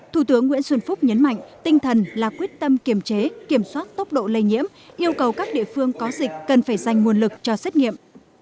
thủ tướng nguyễn xuân phúc nhấn mạnh tinh thần là quyết tâm kiểm chế kiểm soát tốc độ lây nhiễm yêu cầu các địa phương có dịch cần phải dành nguồn lực cho xét nghiệm